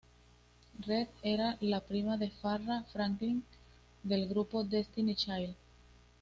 Reed era la prima de Farrah Franklin, del grupo Destiny's Child.